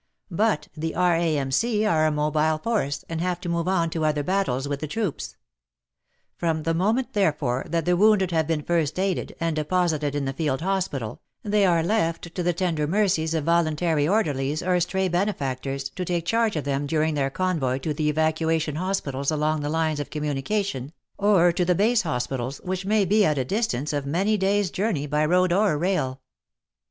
But the R.A.M.C. are a mobile force and have to move on to other battles with the troops. From the moment, therefore, that the wounded have been first aided and deposited in the field hospital, they are left to the tender mercies of voluntary orderlies or stray benefactors to take charge of them during their convoy to the evacuation hospitals along the lines of communication, or to the base hospitals, which may be at a distance of many days' journey by road or rail.